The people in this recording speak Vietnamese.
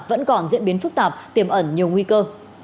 vẫn còn diễn biến phức tạp tiềm ẩn nhiều nguy cơ